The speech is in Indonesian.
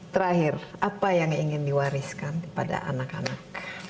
terakhir apa yang ingin diwariskan kepada anak anak